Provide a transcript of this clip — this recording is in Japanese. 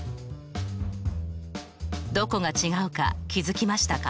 どこが違うか気付きましたか？